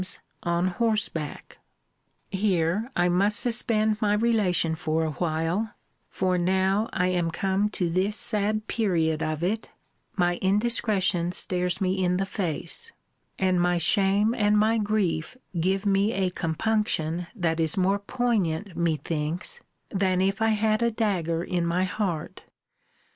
's on horseback. Here I must suspend my relation for a while: for now I am come to this sad period of it, my indiscretion stares me in the face; and my shame and my grief give me a compunction that is more poignant methinks than if I had a dagger in my heart.